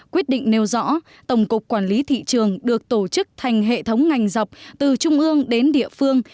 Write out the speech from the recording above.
quyết định nêu rõ tổng cục quản lý thị trường được tổ chức thành hệ thống ngành dọc từ trung ương đến địa phương